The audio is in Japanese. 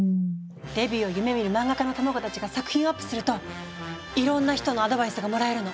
デビューを夢みるマンガ家の卵たちが作品をアップするといろんな人のアドバイスがもらえるの！